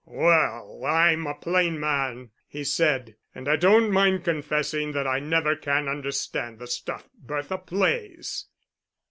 "Well, I'm a plain man," he said, "and I don't mind confessing that I never can understand the stuff Bertha plays."